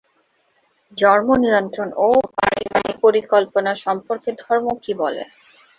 জন্ম নিয়ন্ত্রণ ও পারিবারিক পরিকল্পনা সম্পর্কে ধর্ম কি বলে?